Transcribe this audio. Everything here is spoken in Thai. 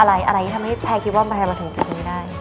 อะไรที่ทำให้แพลคิดว่าแมนมาถึงจุดนี้ได้